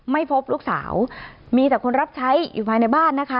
ไม่พบลูกสาวมีแต่คนรับใช้อยู่ภายในบ้านนะคะ